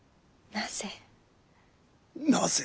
なぜ？